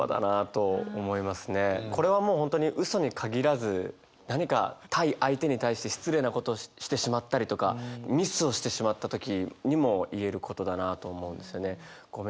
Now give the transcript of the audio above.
これはもう本当に嘘に限らず何か対相手に対して失礼なことをしてしまったりとかミスをしてしまった時にも言えることだなと思うんですよね。